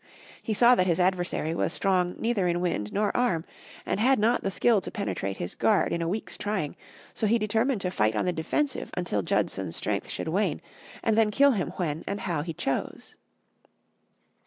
He saw that his adversary was strong neither in wind nor arm, and had not the skill to penetrate his guard in a week's trying, so he determined to fight on the defensive until Judson's strength should wane, and then kill him when and how he chose.